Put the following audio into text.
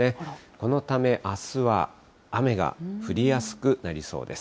このためあすは雨が降りやすくなりそうです。